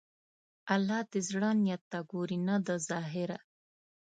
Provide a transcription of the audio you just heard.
الله د زړه نیت ته ګوري، نه د ظاهره.